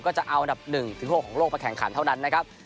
ก็จะเอาอันดับ๑๖ของโลกมาแข่งขันเท่านั้นนะครับ